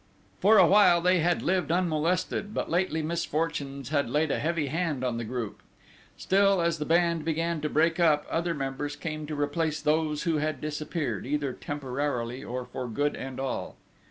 For a while they had lived unmolested, but lately misfortunes had laid a heavy hand on the group. Still, as the band began to break up, other members came to replace those who had disappeared, either temporarily or for good and all.